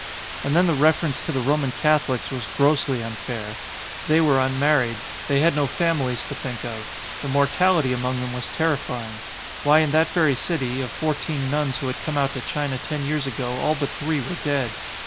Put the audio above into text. And then the reference to the Roman Catholics was grossly unfair. They were un married. They had no families to think of. The mortality among them was terrifying. Why, in that very city, of fourteen nuns who had come out to China ten years ago all but three were dead.